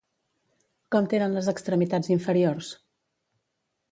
Com tenen les extremitats inferiors?